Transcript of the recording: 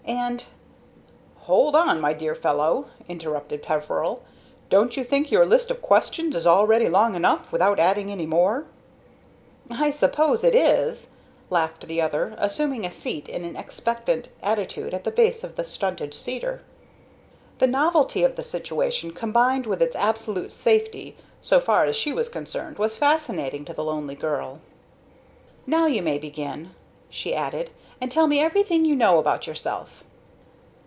and " "Hold on, my dear fellow!" interrupted Peveril. "Don't you think your list of questions is already long enough without adding any more?" "I suppose it is," laughed the other, assuming a seat in an expectant attitude at the base of the stunted cedar. The novelty of the situation, combined with its absolute safety, so far as she was concerned, was fascinating to the lonely girl. "Now you may begin," she added, "and tell me everything you know about yourself."